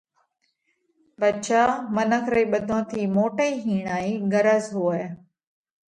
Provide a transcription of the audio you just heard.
ٻچا، منک رئِي ٻڌون ٿِي موٽئِي هِيڻائِي غرض هوئه۔